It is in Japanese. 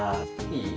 いい？